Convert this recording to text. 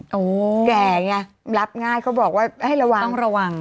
โอ้โฮแกง่ายเขาบอกว่าให้ระวังต้องระวัง